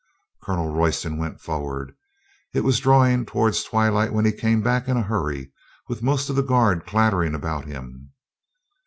Colonel Royston went forward. It was draw ing towards twilight when he came back in a hurry with most of the guard clattering about him.